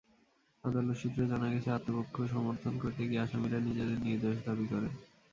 আদালত সূত্রে জানা গেছে, আত্মপক্ষ সমর্থন করতে গিয়ে আসামিরা নিজেদের নির্দোষ দাবি করেন।